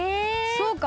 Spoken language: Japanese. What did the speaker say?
そうか。